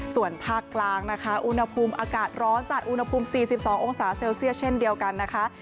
ส่วนภาคกลางนะคะอุณหภูมิอากาศร้อนจัดอุณหภูมิ๔๒องศาเซลเซียสเช่นเดียวกันนะคะ